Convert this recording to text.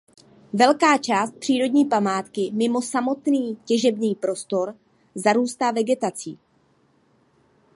Velká část přírodní památky mimo samotný těžební prostor zarůstá vegetací.